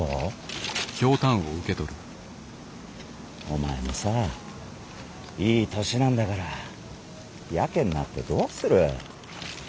お前もさいい年なんだからやけになってどうする。